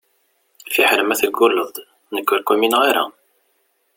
Fiḥel ma tegulleḍ-d, nekk ur k-umineɣ ara.